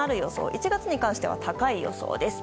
１月に関しては高い予想です。